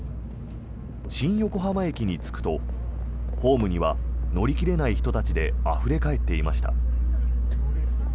新横浜駅に着くとホームには乗り切れない人たちであふれ返っていました。